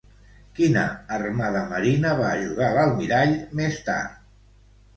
Quina armada marina va ajudar l'almirall més tard?